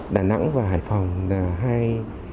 đà nẵng và hải phòng là hai